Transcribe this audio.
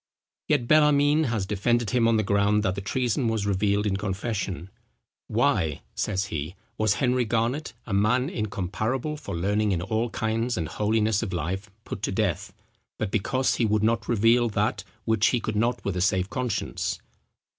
Yet Bellarmine has defended him on the ground that the treason was revealed in confession: "Why," says he, "was Henry Garnet, a man incomparable for learning in all kinds and holiness of life, put to death, but because he would not reveal that which he could not with a safe conscience?"